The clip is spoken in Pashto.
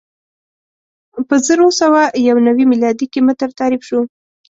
په زر اووه سوه یو نوې میلادي کې متر تعریف شو.